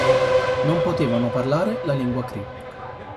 Non potevano parlare la lingua Cree.